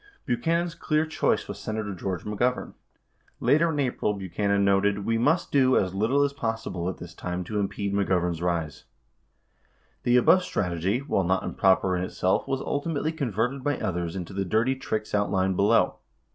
98 Buchanan's clear choice was Senator George McGovern. Later in April, Buchanan noted, "we must do as little as possible at this time to impede McGovern's rise." 99 The above strategy, while not improper in itself, was ultimately converted by others into the dirty tricks outlined below.